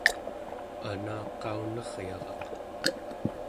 anaqauneryaraq